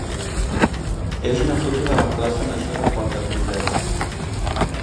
és una foto de la plaça major de Quatretondeta.